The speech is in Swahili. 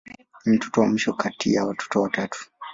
Ni mtoto wa mwisho kati ya watoto watatu.